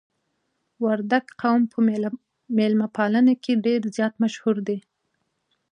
وردګ قوم په میلمه پالنه کې ډیر زیات مشهور دي.